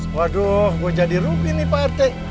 waduh gue jadi rupi nih pak rete